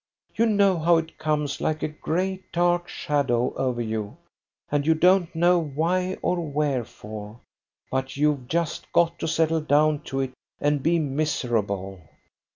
You know how it comes like a great dark shadow over you, and you don't know why or wherefore, but you've just got to settle down to it and be miserable."